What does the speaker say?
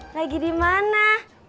lagi di mana